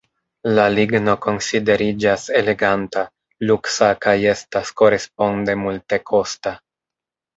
La ligno konsideriĝas eleganta, luksa kaj estas koresponde multekosta.